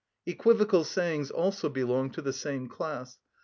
Equivocal sayings also belong to the same class.